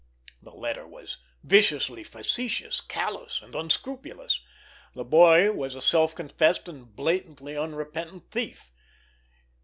The letter was viciously facetious, callous and unscrupulous. The boy was a self confessed and blatantly unrepentant thief.